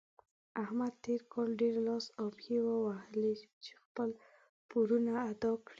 احمد تېر کار ډېر لاس او پښې ووهلې چې خپل پورونه ادا کړي.